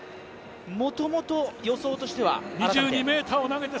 もともと予想としては改めて？